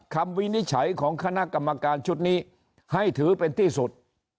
วินิจฉัยของคณะกรรมการชุดนี้ให้ถือเป็นที่สุด